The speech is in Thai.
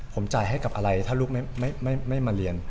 ผมจ่ายให้กับอะไรถ้าลูกไม่มาเรียน